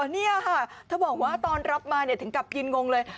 นี่ค่ะเธอบอกว่าตอนรับมาถึงกับยืนงงเลย